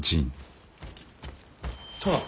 殿。